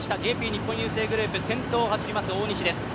ＪＰ日本郵政グループ先頭走ります大西です。